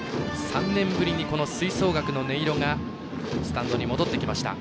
３年ぶりに吹奏楽の音色がスタンドに戻ってきました。